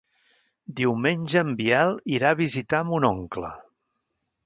Diumenge en Biel irà a visitar mon oncle.